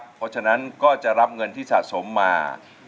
เพราะฉะนั้นก็จะรับเงินที่สะสมมา